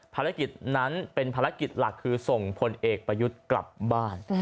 ภารกิจนั้นเป็นภารกิจหลักคือส่งผลเอกประยุทธ์กลับบ้าน